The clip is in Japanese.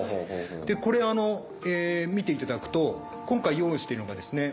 これ見ていただくと今回用意してるのがですね